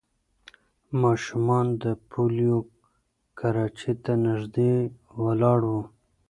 ماشومان د پولیو کراچۍ ته نږدې ولاړ وو.